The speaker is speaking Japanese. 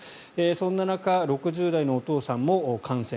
そんな中６０代のお父さんも感染。